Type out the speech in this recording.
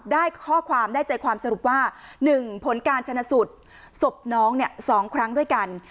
ได้ข้อความได้ใจความสรุปว่า๑ผลการชนะสูตรศพน้อง๒ครั้งด้วยกัน